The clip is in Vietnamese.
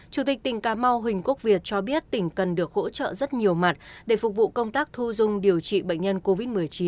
chủ tịch tỉnh cà mau huỳnh quốc việt cho biết tỉnh cần được hỗ trợ rất nhiều mặt để phục vụ công tác thu dung điều trị bệnh nhân covid một mươi chín